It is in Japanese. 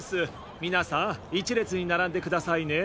みなさん１れつにならんでくださいね。